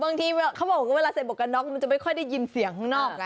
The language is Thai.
เขาบอกว่าเวลาใส่หมวกกันน็อกมันจะไม่ค่อยได้ยินเสียงข้างนอกนะ